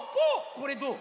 これどう？